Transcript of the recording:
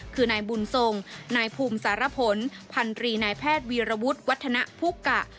คือนายบุญทรงนายภูมิสารพลพันตรีนายแพทย์วีรวุฒิวัฒนภุกะ